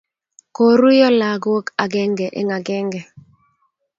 Koruiyo lagok agenge eng agenge.